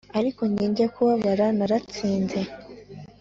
ariko njye kubabara naratsinze